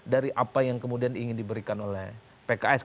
dari apa yang kemudian ingin diberikan oleh pks